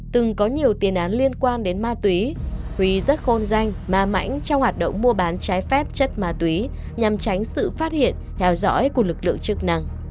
từng có nhiều tiền án liên quan đến ma túy huy rất khôn danh ma mãnh trong hoạt động mua bán trái phép chất ma túy nhằm tránh sự phát hiện theo dõi của lực lượng chức năng